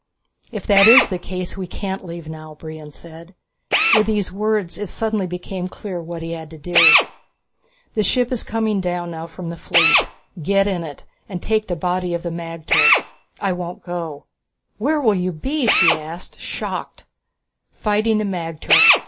"If that is the case we can't leave now," Brion said. With these words it suddenly became clear what he had to do. "The ship is coming down now from the fleet. Get in it and take the body of the magter. I won't go." "Where will you be?" she asked, shocked. "Fighting the magter.